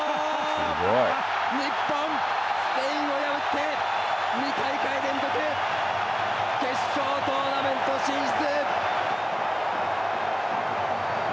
日本、スペインを破って２大会連続、決勝トーナメント進出。